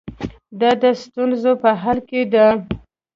دا د ستونزو په حل کې ده.